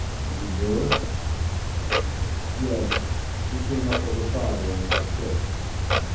"You knew her?" "Yes. She came up with her father on my ship.